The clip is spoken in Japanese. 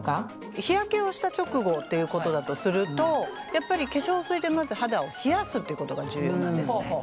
日焼けをした直後ということだとするとやっぱり化粧水でまず肌を冷やすっていうことが重要なんですね。